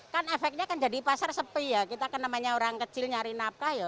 kan efeknya kan jadi pasar sepi ya kita kan namanya orang kecil nyari nafkah ya